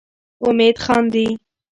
امید خاندي.